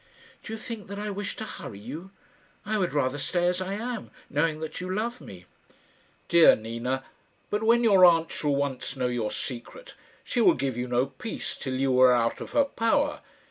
"Do you think that I wish to hurry you? I would rather stay as I am, knowing that you love me." "Dear Nina! But when your aunt shall once know your secret, she will give you no peace till you are out of her power.